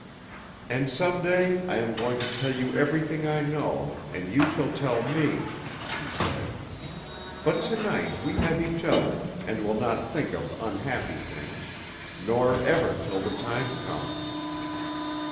"And some day I am going to tell you everything I know, and you shall tell me," she said. "But to night we have each other, and will not think of unhappy things nor ever till the time comes."